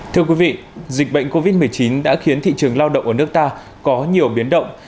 thưa quý vị dịch bệnh covid một mươi chín đã khiến thị trường lao động ở nước ta có nhiều biến động